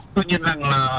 tuy nhiên rằng là